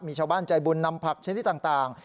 มีชาวบ้านใจบุญนำผักชนิดต่าง